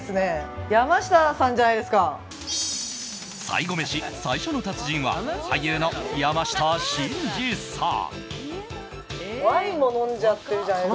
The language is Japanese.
最後メシ、最初の達人は俳優の山下真司さん。